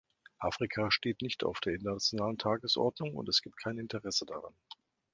Afrika steht nicht auf der internationalen Tagesordnung und es gibt kein Interesse daran.